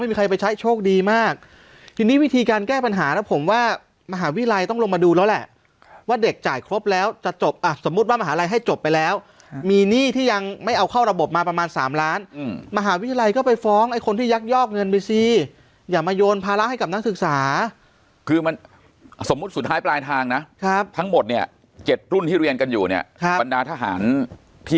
ไม่มีใครไปใช้โชคดีมากที่นี่วิธีการแก้ปัญหาแล้วผมว่ามหาวิทยาลัยต้องลงมาดูแล้วแหละว่าเด็กจ่ายครบแล้วจะจบสมมุติว่ามหาวิทยาลัยให้จบไปแล้วมีหนี้ที่ยังไม่เอาเข้าระบบมาประมาณ๓ล้านมหาวิทยาลัยก็ไปฟ้องไอ้คนที่ยักยอกเงินไปซิอย่ามาโยนภาระให้กับนักศึกษาคือมันสมมุติสุดท้ายป